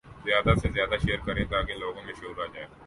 زیادہ سے زیادہ شیئر کریں تاکہ لوگوں میں شعور آجائے